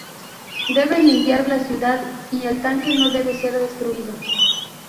Deben limpiar la ciudad y el tanque no debe ser destruido.